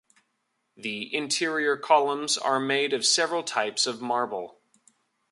The interior columns are made of several types of marble.